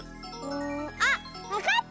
あっわかった！